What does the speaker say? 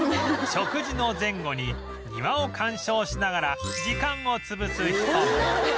食事の前後に庭を観賞しながら時間を潰す人も